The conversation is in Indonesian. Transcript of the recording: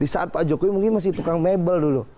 di saat pak jokowi mungkin masih tukang mebel dulu